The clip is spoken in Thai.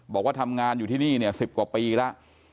บอกว่าทำงานอยู่ที่นี่สิบกว่าปีและ